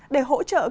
để hỗ trợ các đơn vị